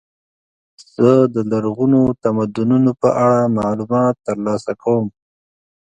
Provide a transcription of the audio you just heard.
زه د لرغونو تمدنونو په اړه معلومات ترلاسه کوم.